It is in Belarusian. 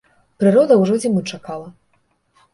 Прырода ўжо зімы чакала.